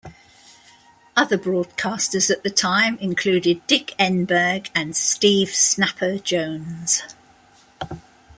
Other broadcasters at the time included Dick Enberg and Steve "Snapper" Jones.